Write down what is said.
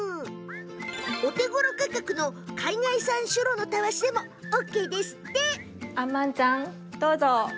お手ごろ価格の海外産シュロのたわしでもＯＫです。